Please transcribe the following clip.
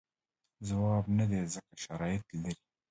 ځواب نه دی ځکه شرایط لري.